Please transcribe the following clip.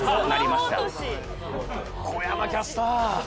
小山キャスター。